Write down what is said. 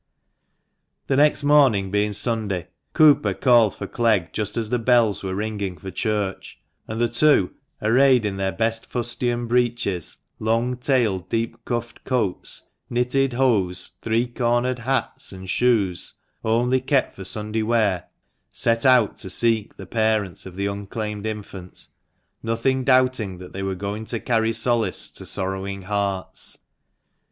The next morning being Sunday, Cooper called for Clegg just as the bells were ringing for church ; and the two, arrayed in their best fustian breeches, long tailed, deep cuffed coats, knitted hose, three cornered hats, and shoes, only kept for Sunday wear, set out to seek the parents of the unclaimed infant, nothing doubting that they were going to carry solace to sorrowing hearts.